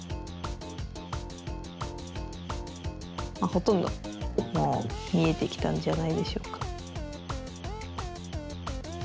ほとんどもうみえてきたんじゃないでしょうか？